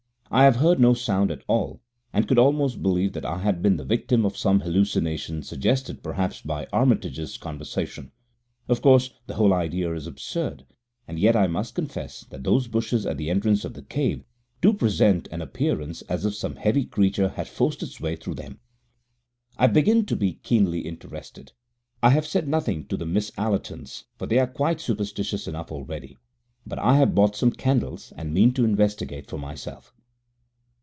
I have heard no sound at all, and could almost believe that I had been the victim of some hallucination suggested, perhaps, by Armitage's conversation. Of course, the whole idea is absurd, and yet I must confess that those bushes at the entrance of the cave do present an appearance as if some heavy creature had forced its way through them. I begin to be keenly interested. I have said nothing to the Miss Allertons, for they are quite superstitious enough already, but I have bought some candles, and mean to investigate for myself.